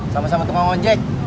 sama sama tukang ojek